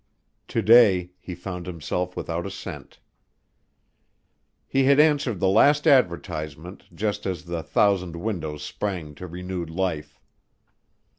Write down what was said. To day he found himself without a cent. He had answered the last advertisement just as the thousand windows sprang to renewed life.